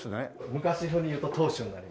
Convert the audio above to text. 昔風に言うと当主になります。